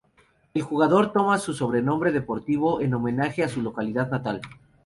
El jugador toma su sobrenombre deportivo en homenaje a su localidad natal.